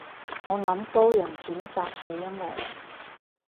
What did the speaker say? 我諗多人轉發係因為